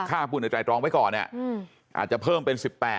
ข้าพูดในตรายตรองไว้ก่อนเนี่ยอาจจะเพิ่มเป็น๑๘